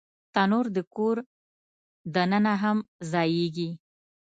تنور د کور دننه هم ځایېږي